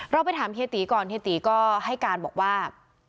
เราไปถามเฮตีก่อนเฮตีก็ให้การบอกว่า